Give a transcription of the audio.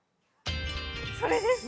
それです。